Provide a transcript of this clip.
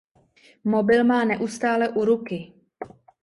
Mobil má neustále u ruky.